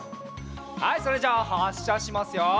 はいそれじゃあはっしゃしますよ。